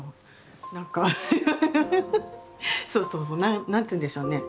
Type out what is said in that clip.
そうそうそう何て言うんでしょうね。